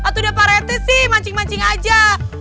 tuh udah parete sih mancing mancing aja